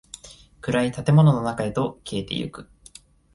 暗い建物の中へと消えていく。